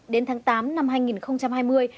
đến tháng tám năm hai nghìn hai mươi